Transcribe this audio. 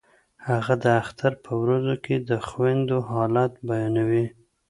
هغه د اختر په ورځو کې د خویندو حالت بیانوي